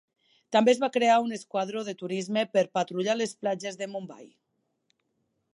També es va crear un esquadró de turisme per patrullar les platges de Mumbai.